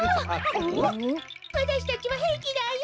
わたしたちはへいきだよ！